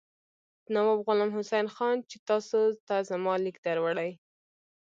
نواب غلام حسین خان چې تاسو ته زما لیک دروړي.